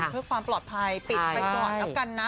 เพื่อความปลอดภัยปิดไปก่อนแล้วกันนะ